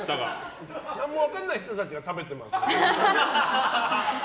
何も分からない人たちが食べてます。